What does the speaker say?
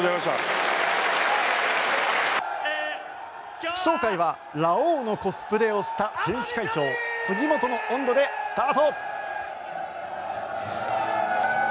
祝勝会はラオウのコスプレをした選手会長、杉本の音頭でスタート。